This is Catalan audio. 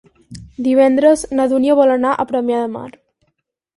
Divendres na Dúnia vol anar a Premià de Mar.